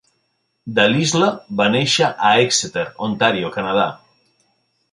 De Lisle va néixer a Exeter, Ontario, Canadà.